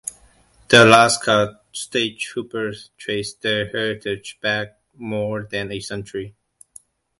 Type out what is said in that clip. The Alaska State Troopers trace their heritage back more than a century.